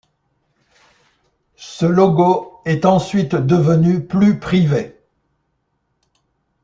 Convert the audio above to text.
Ce logo est ensuite devenu plus privé.